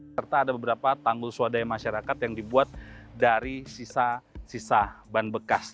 serta ada beberapa tanggul swadaya masyarakat yang dibuat dari sisa sisa ban bekas